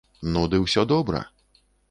Ну, ды ўсё добра!